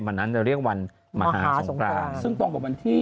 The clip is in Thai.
วันนั้นจะเรียกวันมหาสงครานซึ่งตรงกับวันที่